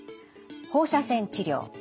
放射線治療。